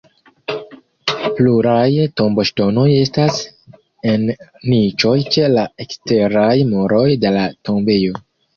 Pluraj tomboŝtonoj estas en niĉoj ĉe la eksteraj muroj de la tombejo.